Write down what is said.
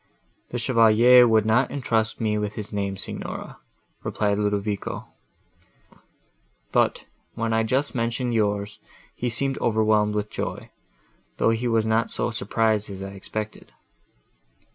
"The Chevalier would not entrust me with his name, Signora," replied Ludovico; "but, when I just mentioned yours, he seemed overwhelmed with joy, though he was not so much surprised as I expected."